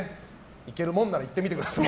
行けるものなら行ってみてください。